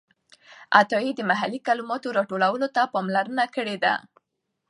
عطايي د محلي کلماتو راټولولو ته پاملرنه کړې ده.